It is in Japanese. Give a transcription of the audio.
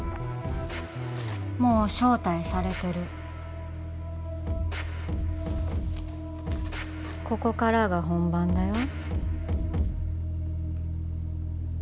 もう招待されてるここからが本番だよ